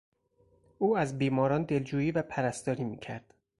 او از بیماران دلجویی و پرستاری میکرد.